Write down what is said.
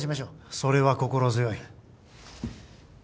それは心強い。